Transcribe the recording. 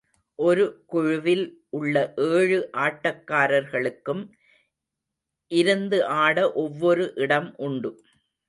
ஒரு குழுவில் உள்ள ஏழு ஆட்டக்காரர்களுக்கும் இருந்து ஆட ஒவ்வொரு இடம் உண்டு.